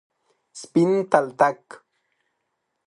سپین تلتک،